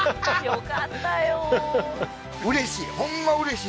よかったよ